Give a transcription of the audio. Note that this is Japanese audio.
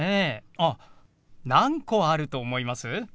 あっ何個あると思います？